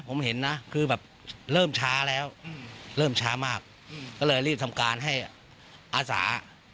ผมเห็นนะคือแบบเริ่มช้าแล้วเริ่มช้ามากก็เลยรีบทำการให้อาสา